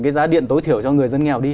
cái giá điện tối thiểu cho người dân nghèo đi